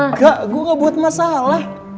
enggak gue gak buat masalah